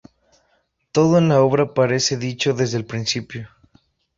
Todo en la obra parece dicho desde el principio.